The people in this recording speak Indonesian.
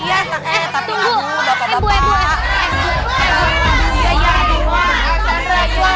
eh tunggu ibu ibu